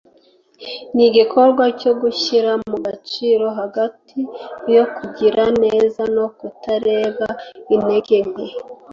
ni igikorwa cyo gushyira mu gaciro hagati yo kugira neza no kutareba intege nke